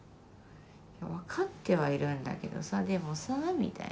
「いや分かってはいるんだけどさでもさ」みたいな。